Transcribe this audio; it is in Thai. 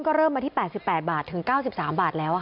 ก็เริ่มมาที่๘๘บาทถึง๙๓บาทแล้ว